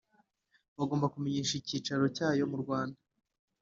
Bagomba kumenyesha icyicaro cyayo mu Rwanda